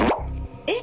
えっ？